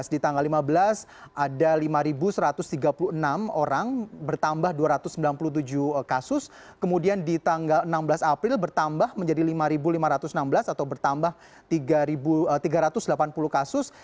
di tanggal lima belas ada lima satu ratus tiga puluh enam orang bertambah dua ratus sembilan puluh tujuh kasus kemudian di tanggal enam belas april bertambah menjadi lima lima ratus enam belas atau bertambah tiga ratus delapan puluh kasus